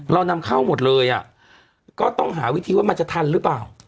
เรานำเข้าหมดเลยอ่ะก็ต้องหาวิธีว่ามันจะทันหรือเปล่า